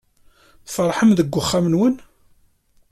Tferḥem deg uxxam-nwen?